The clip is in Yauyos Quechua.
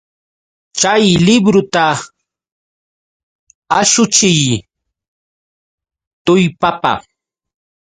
Chay libruta ashuchiy tullpapa!